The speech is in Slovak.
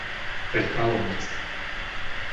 Veľká Lomnica